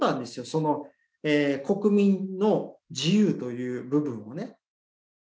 その国民の自由という部分をね。